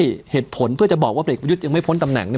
ควรจะบอกว่าเปรี้ยวกบริยุทธรรมยุทธ์ยังไม่พ้นตำแหน่ง